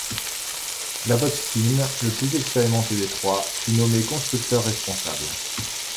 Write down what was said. Lavotchkine, le plus expérimenté des trois, fut nommé constructeur responsable.